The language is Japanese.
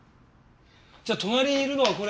じゃあ隣にいるのはこれ。